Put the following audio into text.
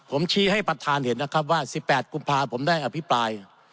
ผมชี้ให้ประธานเห็นนะครับว่า๑๘กุมภาผมได้อภิปราย